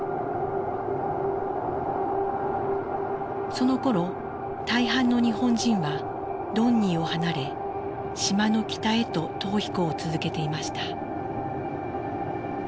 そのころ大半の日本人はドンニーを離れ島の北へと逃避行を続けていました。